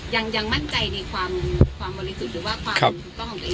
ยังมั่นใจในความบริสุทธิ์